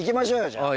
じゃああ